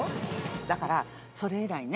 だからそれ以来ね。